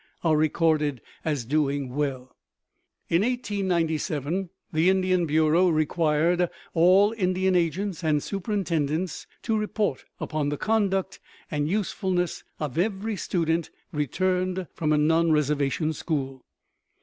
are recorded as doing well. In 1897 the Indian Bureau required all Indian agents and superintendents to report upon the conduct and usefulness of every student returned from a non reservation school.